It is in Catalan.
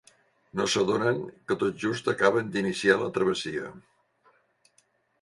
No s'adonen que tot just acaben d'iniciar la travessia.